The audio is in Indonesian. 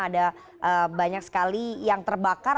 ada banyak sekali yang terbakar